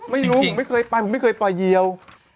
ไม่รู้ผมไม่เคยไปผมไม่เคยปล่อยเยียว